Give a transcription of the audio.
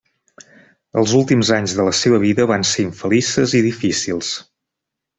Els últims anys de la seva vida van ser infelices i difícils.